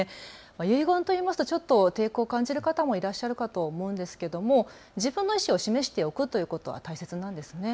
遺言というのはちょっと抵抗感じる方もいらっしゃるかと思うんですけれども自分の意思を示しておくということは大切なんですね。